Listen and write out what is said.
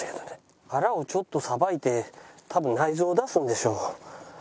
腹をちょっとさばいて多分内臓を出すんでしょう。